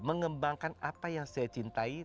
mengembangkan apa yang saya cintai